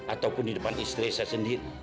ataupun di depan istri saya sendiri